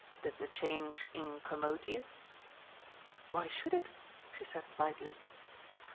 Did the change incommode you?" "Why should it?" she said lightly.